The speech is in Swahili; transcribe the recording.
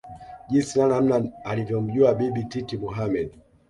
jinsi na namna alivyomjua Bibi Titi Mohamed